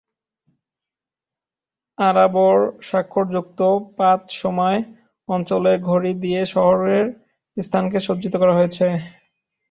আরাবোর স্বাক্ষরযুক্ত পাঁচ-সময় অঞ্চলের ঘড়ি দিয়ে শহরের স্থানকে সজ্জিত করা হয়েছে।